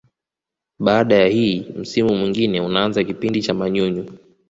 Baada ya hii msimu mwingine unaanza kipindi cha manyunyu